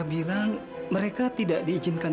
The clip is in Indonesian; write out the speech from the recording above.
tidak tidak mungkin